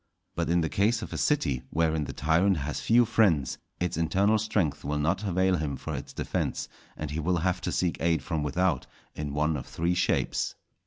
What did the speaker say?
But in the case of a city, wherein the tyrant has few friends, its internal strength will not avail him for its defence, and he will have to seek aid from without in one of three shapes.